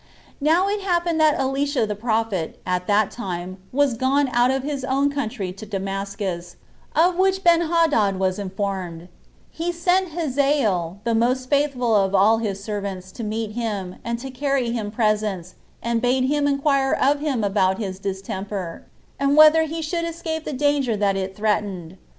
Now it happened that Elisha the prophet, at that time, was gone out of his own country to Damascus, of which Benhadad was informed: he sent Hazael, the most faithful of all his servants, to meet him, and to carry him presents, and bade him inquire of him about his distemper, and whether he should escape the danger that it threatened.